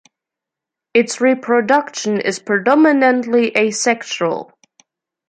Its reproduction is predominantly asexual.